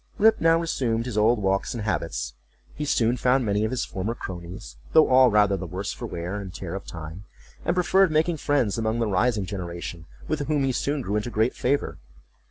Rip now resumed his old walks and habits; he soon found many of his former cronies, though all rather the worse for the wear and tear of time; and preferred making friends among the rising generation, with whom he soon grew into great favor.